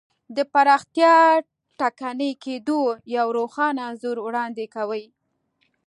د پراختیا ټکني کېدو یو روښانه انځور وړاندې کوي.